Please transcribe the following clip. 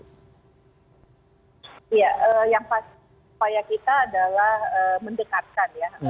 ya yang pasti upaya kita adalah mendekatkan ya